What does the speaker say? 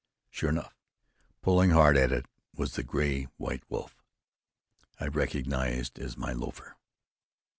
Sure enough, pulling hard at it, was the gray white wolf I recognized as my "lofer."